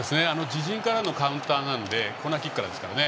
自陣からのカウンターなのでコーナーキックからですからね。